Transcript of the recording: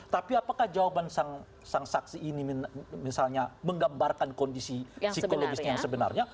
tapi apakah jawaban sang saksi ini misalnya menggambarkan kondisi psikologisnya yang sebenarnya